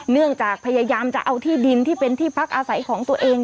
เนื่องจากพยายามจะเอาที่ดินที่เป็นที่พักอาศัยของตัวเอง